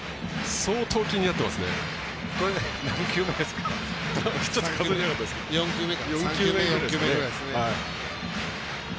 相当気になってますね。